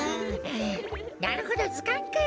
なるほどずかんか。